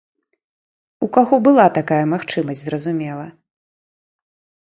У каго была такая магчымасць, зразумела.